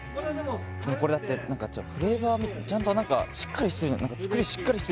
これだってフレーバーちゃんとしっかりしてる